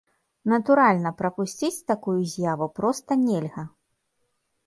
Натуральна, прапусціць такую з'яву проста нельга!